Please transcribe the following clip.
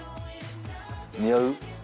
似合う？